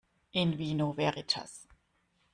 In vino veritas.